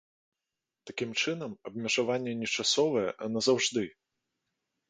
Такім чынам, абмежаванне не часовае, а назаўжды.